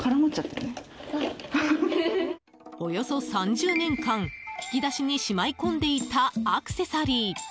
およそ３０年間、引き出しにしまい込んでいたアクセサリー。